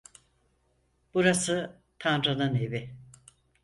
Burası Tanrı'nın evi.